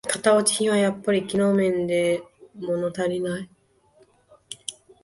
型落ち品はやっぱり機能面でものたりない